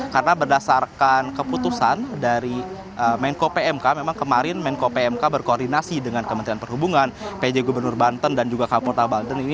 karena berdasarkan keputusan dari menko pmk memang kemarin menko pmk berkoordinasi dengan kementerian perhubungan pj gubernur banten dan juga kapolta banten ini